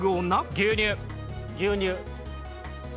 牛乳。